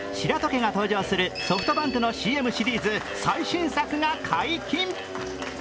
家が登場するソフトバンクのＣＭシリーズ最新作が解禁。